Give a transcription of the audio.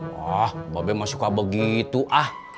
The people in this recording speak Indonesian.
wah mba be masih kaba gitu ah